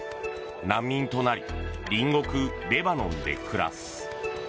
難民となり隣国レバノンで暮らす。